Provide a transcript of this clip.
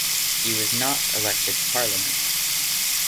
He was not elected to parliament.